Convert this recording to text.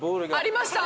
ありました！